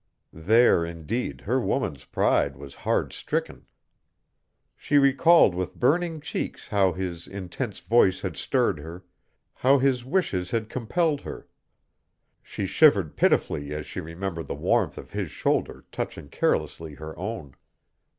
There indeed her woman's pride was hard stricken. She recalled with burning cheeks how his intense voice had stirred her; how his wishes had compelled her; she shivered pitifully as she remembered the warmth of his shoulder touching carelessly her own.